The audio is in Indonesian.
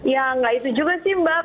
ya nggak itu juga sih mbak